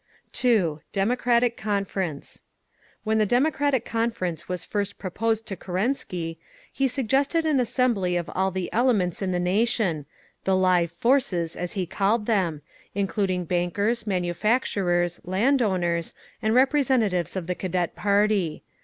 2. DEMOCRATIC CONFERENCE When the Democratic Conference was first proposed to Kerensky, he suggested an assembly of all the elements in the nation—"the live forces," as he called them—including bankers, manufacturers, land owners, and representatives of the Cadet party.